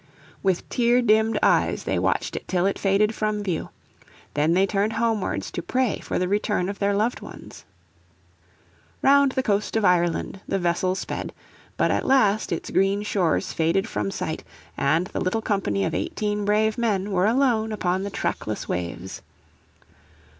With tear dimmed eyes they watched it till it faded from view. Then they turned homewards to pray for the return of their loved ones. Round the coast of Ireland the vessel sped. But at last its green shores faded from sight and the little company of eighteen brave men were alone upon the trackless waves.